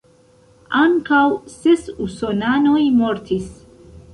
Ankaŭ ses usonanoj mortis.